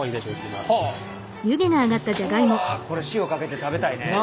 これ塩かけて食べたいね。